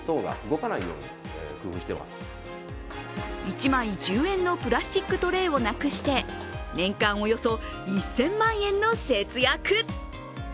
一枚１０円のプラスチックトレイをなくして年間およそ１０００万円の節約。